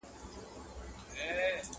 زخمي زړه مي په غمو د جانان زېر سو!.